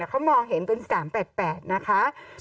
เขามองเห็นเป็น๓๘๘นะคะ